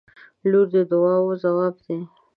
• لور د دعاوو ځواب دی.